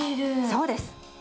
そうです。